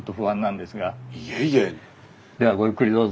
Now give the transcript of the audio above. ではごゆっくりどうぞ。